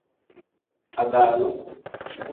Abaalu.